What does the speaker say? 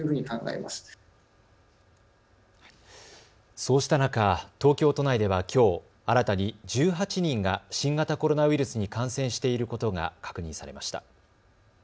そうした中、東京都内ではきょう、新たに１８人が新型コロナウイルスに感染していることが確認されました。